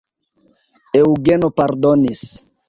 Eŭgeno pardonis.